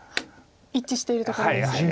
一致してるところですよね。